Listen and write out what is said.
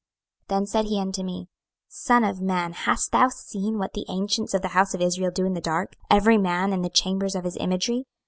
26:008:012 Then said he unto me, Son of man, hast thou seen what the ancients of the house of Israel do in the dark, every man in the chambers of his imagery?